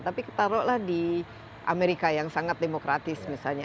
tapi taruhlah di amerika yang sangat demokratis misalnya